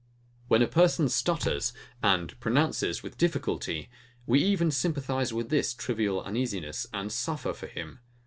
When a person stutters, and pronounces with difficulty, we even sympathize with this trivial uneasiness, and suffer for him.